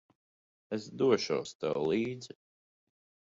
Es došos tev līdzi.